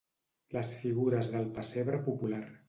Les figures del pessebre popular.